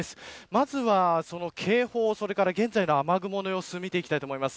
まずは警報それから現在の雨雲の様子を見ていきたいと思います。